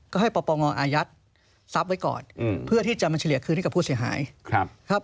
ก็ให้ปปงอาญัตสาปไว้ก่อนเพื่อที่จะมันเฉลี่ยคืนให้เป็นผู้เสียหาย